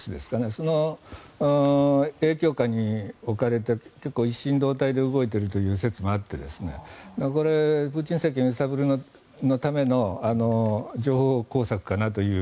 その影響下に置かれて結構、一心同体で動いているという説もあってプーチン政権を揺さぶりのための情報工作かなと。